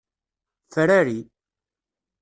Frari.